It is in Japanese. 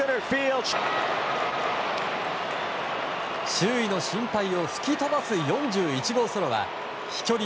周囲の心配を吹き飛ばす４１号ソロは飛距離